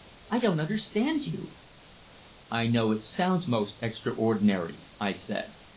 I don't understand you!" "I know it sounds most extraordinary," I said.